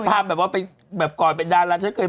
พี่เพลยขึ้นมานะว่าใหญ่